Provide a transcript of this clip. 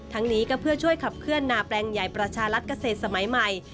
นี้ก็เพื่อช่วยขับเคลื่อนนาแปลงใหญ่ประชารัฐเกษตรสมัยใหม่